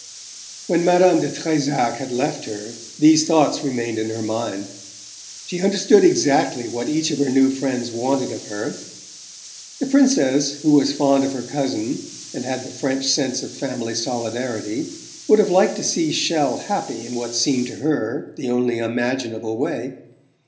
When Madame de Trezac had left her these thoughts remained in her mind. She understood exactly what each of her new friends wanted of her. The Princess, who was fond of her cousin, and had the French sense of family solidarity, would have liked to see Chelles happy in what seemed to her the only imaginable way.